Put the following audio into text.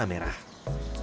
yang didominasi warna merah